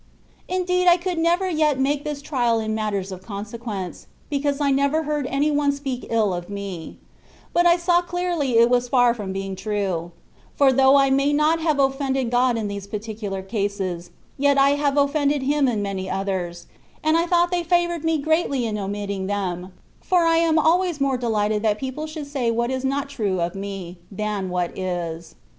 Indeed, I could never yet make this trial in matters of consequence, because I never heard any one speak ill of me ; but I saw clearly it was far from being true ; for though I may not have offended God in these particular cases, yet I have ofiFended Him in many others, and I thought they fttvoured me greatly in omitting them, for I am always more delighted that people should* say what is not true of me, than what is.